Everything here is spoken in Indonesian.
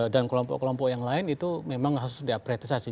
dan kelompok kelompok yang lain itu memang harus diapretisasi